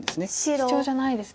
シチョウじゃないですね。